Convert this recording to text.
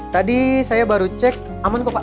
tadi saya baru cek aman kok pak